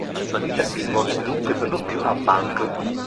La sua vita si svolse comunque per lo più a Balkh.